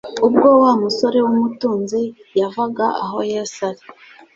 Ubwo wa musore w'umutunzi yavaga aho Yesu ari,